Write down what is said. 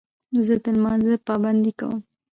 زه د لمانځه پابندي کوم.